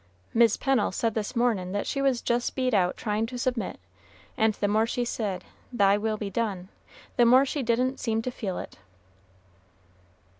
"Mis' Pennel said this mornin' that she was just beat out tryin' to submit; and the more she said, 'Thy will be done,' the more she didn't seem to feel it."